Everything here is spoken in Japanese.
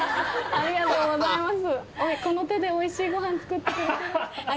ありがとうございます。